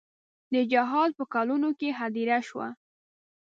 د جهاد په کلونو کې هدیره شوه.